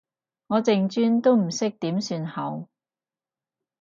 我淨專都唔知點算好